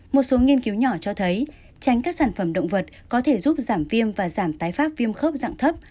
một số nghiên cứu nhỏ cho thấy tránh các sản phẩm động vật có thể giúp giảm viêm và giảm tái phát viêm khớp dạng thấp